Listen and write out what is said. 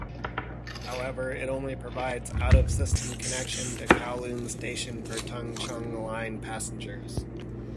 However, it only provides out-of-system connection to Kowloon Station for Tung Chung Line passengers.